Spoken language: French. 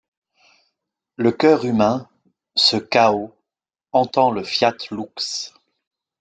Le cœur humain, ce chaos, entend le Fiat lux.